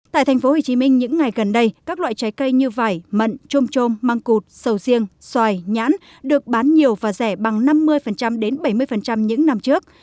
tại tp hcm những ngày gần đây các loại trái cây như vải mận trôm trôm mang cụt sầu riêng xoài nhãn được bán nhiều và rẻ bằng năm mươi đến bảy mươi những năm trước